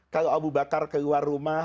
kalau abu bakar keluar rumah